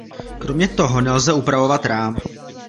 Kromě toho nelze upravovat rám.